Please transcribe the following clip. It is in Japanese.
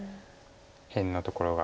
辺のところが。